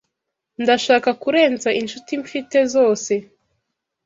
Ndashaka kurenza inshuti mfite zose